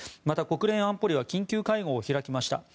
また国連安保理は緊急会合を開きました。